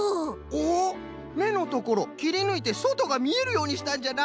おっめのところきりぬいてそとがみえるようにしたんじゃな。